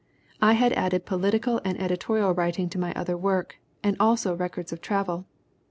"I had added political and editorial writing to my other work, and also records of travel.